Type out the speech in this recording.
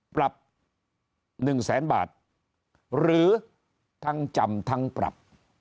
ปรับ๑แสนบาทหรือทั้งจำทั้งปรับ